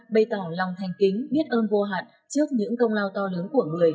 bày tỏ lòng thanh kính biết ơn vô hạn trước những công lao to lớn của người